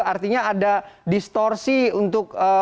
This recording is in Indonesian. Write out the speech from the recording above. artinya ada distorsi untuk